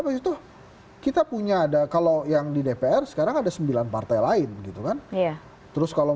begitu kita punya ada kalau yang di dpr sekarang ada sembilan partai lain gitu kan terus kalau